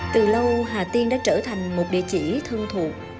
từ lâu hà tiên đã trở thành một địa chỉ thân thuộc